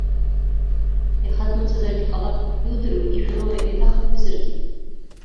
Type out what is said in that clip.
Иаха дмыцәазаргьы ҟалап, иудыруеи ишәануа деиҭахынҳәызаргьы.